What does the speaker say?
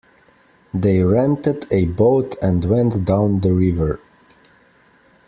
They rented a boat and went down the river.